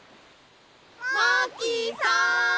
マーキーさん！